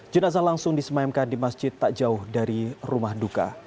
jenazah langsung disemayamkan di masjid tak jauh dari rumah duka